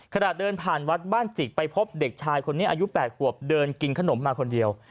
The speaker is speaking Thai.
ขณะเดินผ่านวัดบ้านจิกไปพบเด็กชายคนนี้อายุ๘ขวบเดินกินขนมมาคนเดียว